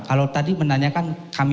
kalau tadi menanyakan kami